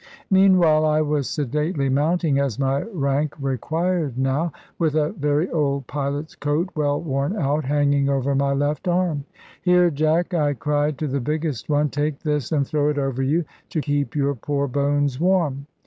Meanwhile I was sedately mounting (as my rank required now) with a very old pilot's coat, well worn out, hanging over my left arm. "Here, Jack!" I cried to the biggest one; "take this, and throw it over you, to keep your poor bones warm."